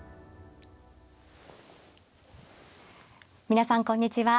皆さんこんにちは。